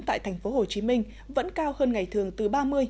tại tp hcm vẫn cao hơn ngày thường từ ba mươi bốn mươi